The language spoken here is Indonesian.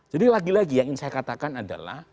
jadi lagi lagi yang ingin saya katakan adalah